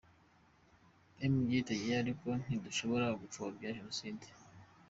Mgr Tadeyo: ”Ariko ntidushobora gupfobya ”jenoside”.